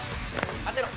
当てろ。